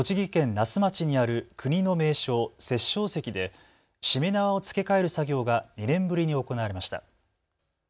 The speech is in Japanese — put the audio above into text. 那須町にある国の名勝、殺生石でしめ縄を付け替える作業が２年ぶりに行われました。